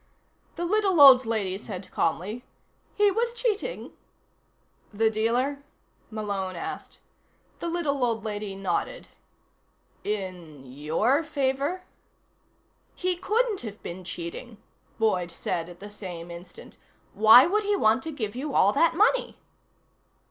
The little old lady said calmly: "He was cheating." "The dealer?" Malone asked. The little old lady nodded. "In your favor?" "He couldn't have been cheating," Boyd said at the same instant. "Why would he want to give you all that money?"